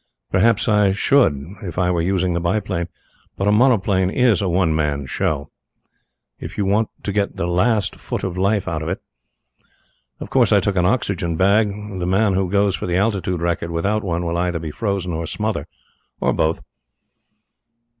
Perhaps I should if I were using the biplane, but a monoplane is a one man show if you want to get the last foot of life out of it. Of course, I took an oxygen bag; the man who goes for the altitude record without one will either be frozen or smothered or both.